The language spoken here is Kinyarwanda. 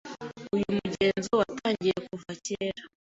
Uyu mugenzo watangiye kuva kera.